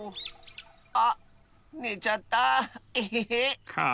あねちゃったあ。